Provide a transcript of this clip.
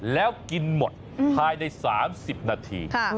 แล้วกินหมดภายใน๓๐นาที